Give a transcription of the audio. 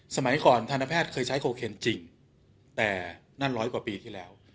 สมัยก่อนทันแพทย์เคยใช้โคเคนจริงแต่นั่นร้อยกว่าปีที่แล้ว